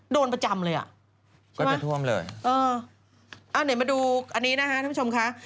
โดนประจำเลยอะใช่ไหมเอออ๋อเดี๋ยวมาดูอันนี้นะค่ะท่านผู้ชมค่ะ